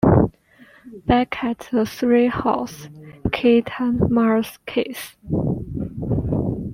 Back at the treehouse, Kate and Mars kiss.